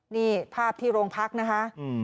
นี่ภาพที่โรงพักนะคะ